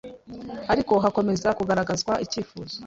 ariko hakomeza kugaragazwa icyifuzo